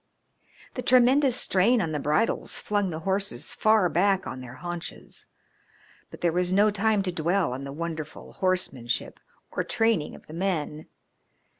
The tremendous strain on the bridles flung the horses far back on their haunches. But there was no time to dwell on the wonderful horsemanship or training of the men.